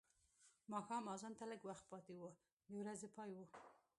ماښام اذان ته لږ وخت پاتې و د ورځې پای و.